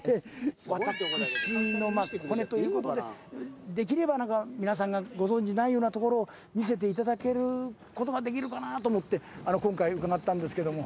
私のコネということでできれば皆さんがご存じないようなところを見せていただけることができるかなと思って今回伺ったんですけども。